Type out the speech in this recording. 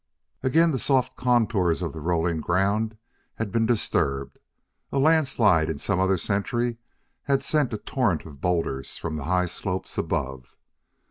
Again the soft contours of the rolling ground had been disturbed: a landslide in some other century had sent a torrent of boulders from the high slopes above.